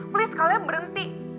please kalian berhenti